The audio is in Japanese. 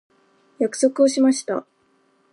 約束をしました。